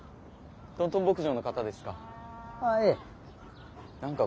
トントン牧場の方ですか？